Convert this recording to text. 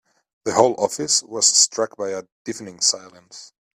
The whole office was struck by a deafening silence.